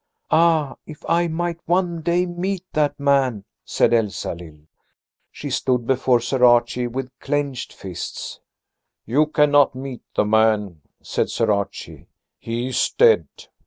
"Ah, if I might one day meet that man!" said Elsalill. She stood before Sir Archie with clenched fists. "You cannot meet the man," said Sir Archie. "He is dead."